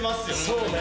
そうね！